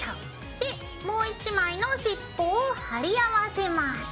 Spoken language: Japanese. でもう１枚のしっぽを貼り合わせます。